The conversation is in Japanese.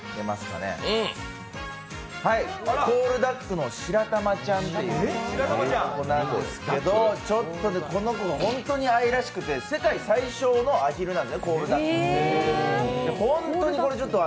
コールダックのしらたまちゃんという子なんですけど、ちょっと、この子が本当にかわいらしくて世界最小のあひるなんですね、コールダックって。